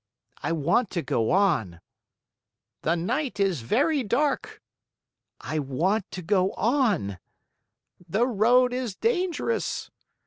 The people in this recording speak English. "I want to go on." "The night is very dark." "I want to go on." "The road is dangerous."